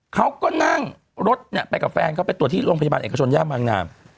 เขาก็นั่งรถไปกับแฟนเขาไปตรวจที่โรงพยาบาลเอกชนย่านบางนาม